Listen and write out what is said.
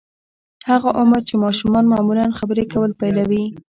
هغه عمر چې ماشومان معمولاً خبرې کول پيلوي.